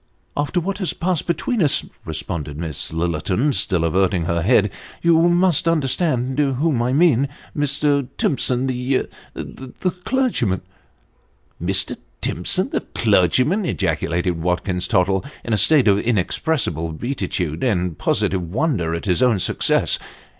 " After what has passed between us," responded Miss Lillerton, still averting her head, " you must understand whom I mean ; Mr. Timson, the the clergyman." " Mr. Timsou, the clergyman !" ejaculated Watkins Tottle, in a state of inexpressible beatitude, and positive wonder at his own success.